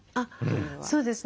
そうですね。